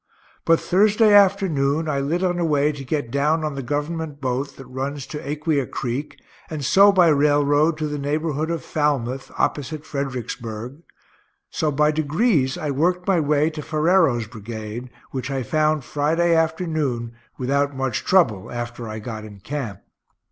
But Thursday afternoon, I lit on a way to get down on the Government boat that runs to Aquia creek, and so by railroad to the neighborhood of Falmouth, opposite Fredericksburg so by degrees I worked my way to Ferrero's brigade, which I found Friday afternoon without much trouble after I got in camp.